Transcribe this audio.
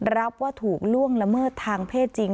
รับว่าถูกล่วงละเมิดทางเพศจริง